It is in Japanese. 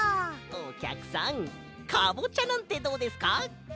おきゃくさんカボチャなんてどうですか？